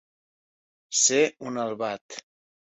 Ser un albat.